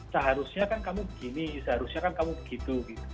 seharusnya kan kamu begini seharusnya kan kamu begitu